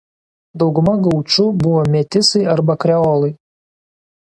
Dauguma gaučų buvo metisai arba kreolai.